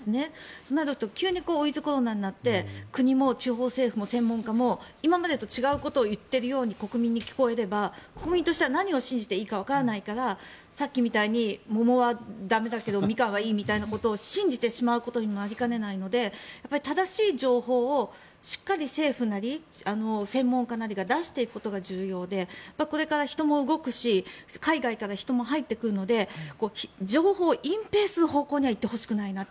となると急にウィズコロナになって国も地方政府も専門家も今までと違うことを言っているように国民に聞こえれば国民としては何を信じたらいいかわからないからさっきみたいに桃は駄目だけどミカンはいいみたいなことを信じてしまうことにもなりかねないので正しい情報を、しっかり政府なり専門家なりが出していくことが重要で、これから人も動くし海外から人も入ってくるので情報を隠ぺいする方向にはいってほしくないなって。